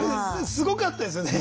すごかったですよね